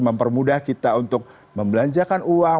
mempermudah kita untuk membelanjakan uang